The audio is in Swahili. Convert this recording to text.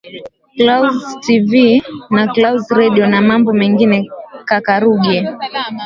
claus tv na claus redio na mambo mengine kaka ruge